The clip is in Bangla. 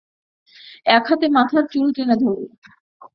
এক হাতে মাথার চুল টেনে ধরল।